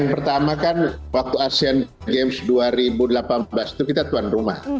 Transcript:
pertama kan waktu asean games dua ribu delapan belas itu kita tuan rumah